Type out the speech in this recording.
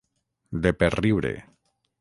De per riure.